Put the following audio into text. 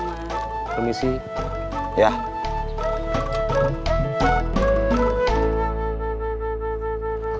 aku aja yang bawa